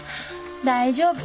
大丈夫。